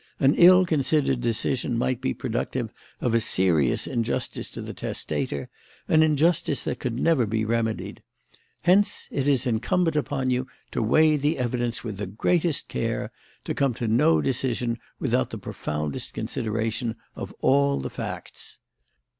An ill considered decision might be productive of a serious injustice to the testator, an injustice that could never be remedied. Hence it is incumbent upon you to weigh the evidence with the greatest care, to come to no decision without the profoundest consideration of all the facts.